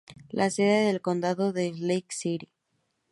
La sede del condado es Lake City.